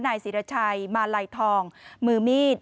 นายศิรชัยมาลัยทองมือมีด